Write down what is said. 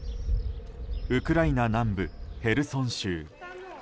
ウクライナ南部ヘルソン州。